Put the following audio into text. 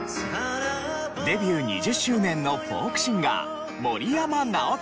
デビュー２０周年のフォークシンガー森山直太朗。